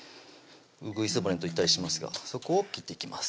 うぐいす骨といったりしますがそこを切っていきます